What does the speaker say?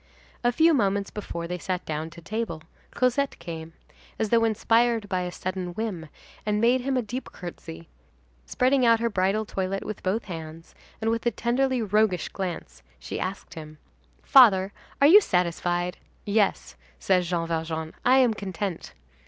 A few moments before they sat down to table, Cosette came, as though inspired by a sudden whim, and made him a deep courtesy, spreading out her bridal toilet with both hands, and with a tenderly roguish glance, she asked him: "Father, are you satisfied?" "Yes," said Jean Valjean, "I am content!"